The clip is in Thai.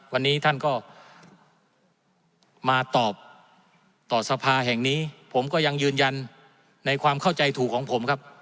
วันนี้ท่านก็มาตอบต่อสภาแห่งนี้ผมก็ยังยืนยันในความเข้าใจถูกของผมครับ